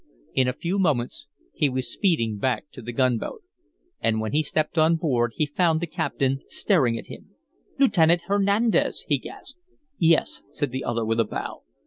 In a few moments he was speeding back to the gunboat. And when he stepped on board he found the captain staring at him. "Lieutenant Hernandez!" he gasped. "Yes," said the other with a bow.